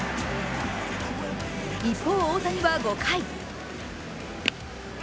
一方、大谷は５回。